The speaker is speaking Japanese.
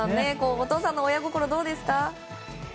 お父さんの親心、どうですか？